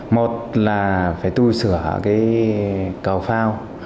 một là phải tu sửa cầu phao